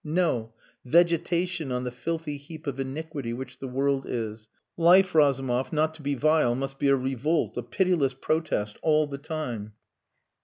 No! Vegetation on the filthy heap of iniquity which the world is. Life, Razumov, not to be vile must be a revolt a pitiless protest all the time."